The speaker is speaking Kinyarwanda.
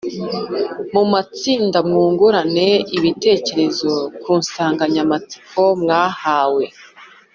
mu matsinda mwungurane ibitekerezo ku nsanganyamatsiko mwahawe,